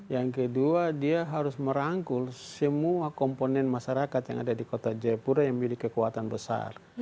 yang kedua dia harus merangkul semua komponen masyarakat yang ada di kota jayapura yang memiliki kekuatan besar